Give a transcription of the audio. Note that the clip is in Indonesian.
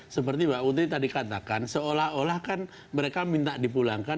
seperti mbak putri tadi katakan seolah olah kan mereka minta dipulangkan